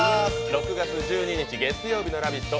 ６月１２日月曜日の「ラヴィット！」